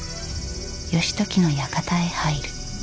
義時の館へ入る。